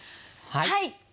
はい。